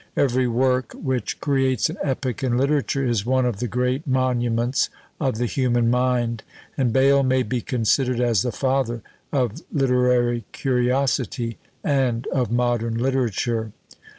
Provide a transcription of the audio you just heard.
Every work which creates an epoch in literature is one of the great monuments of the human mind; and Bayle may be considered as the father of literary curiosity, and of modern literature.